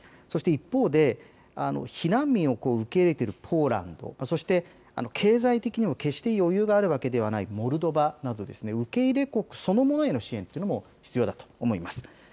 そして一方で避難民を受け入れているポーランド、そして経済的にも決して余裕があるわけではないモルドバなど受け入れ国そのものへの支援というのも必要だと思います。